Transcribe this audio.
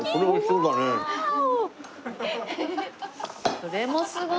それもすごい。